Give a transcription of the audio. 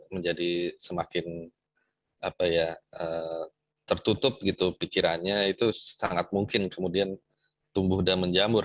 menjadi semakin tertutup gitu pikirannya itu sangat mungkin kemudian tumbuh dan menjamur